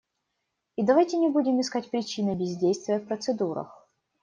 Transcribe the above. И давайте не будем искать причины бездействия в процедурах.